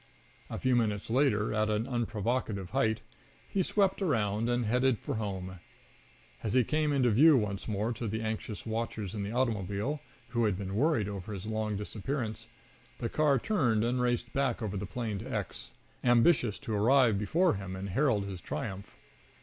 A few minutes later, at an unprovocative height, he swept around and headed for home. As he came into view once more to the anxious watchers in the automobile, who had been worried over his long disappearance, the car turned and raced back over the plain to X , ambitious to arrive before him and herald his triumph.